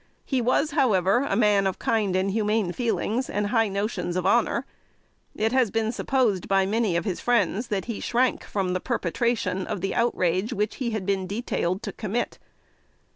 He was, however, a man of kind and humane feelings, and high notions of honor. It has been supposed by many of his friends, that he shrank from the perpetration of the outrage which he had been detailed to commit.